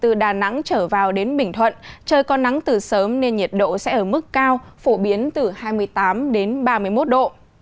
từ đà nẵng trở vào đến bình thuận trời có nắng từ sớm nên nhiệt độ sẽ ở mức cao phổ biến từ hai mươi tám đến ba mươi một độ